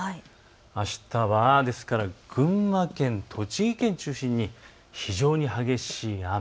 あしたは、ですから群馬県、栃木県中心に非常に激しい雨。